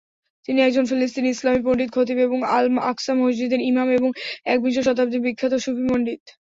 তিনি একজন ফিলিস্তিনি ইসলামি পণ্ডিত, খতিব এবং আল-আকসা মসজিদের ইমাম, এবং একবিংশ শতাব্দীর বিখ্যাত সুফি পণ্ডিত।